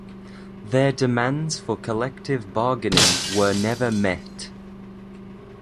Their demands for collective bargaining were never met.